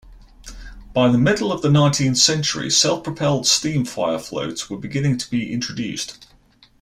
By the middle of the nineteenth century, self-propelled steam-fire-floats were beginning to be introduced.